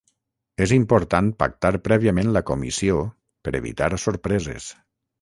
És important pactar prèviament la comissió per evitar sorpreses.